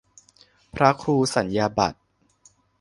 พระครูสัญญาบัตร